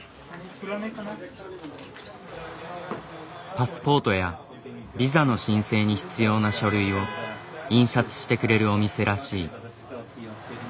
パスポートやビザの申請に必要な書類を印刷してくれるお店らしい。